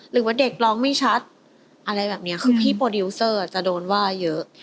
หรือว่าเด็กร้องไม่ชัดอะไรแบบนี้คือพี่โปรดิวเซอร์จะโดนว่าเยอะ